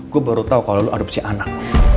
gue baru tau kalo lo adopsi anak